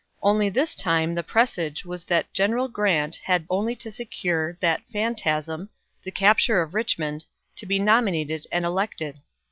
Only this time the presage was that General Grant had only to secure that phantasm, the capture of Richmond, to be nominated and elected.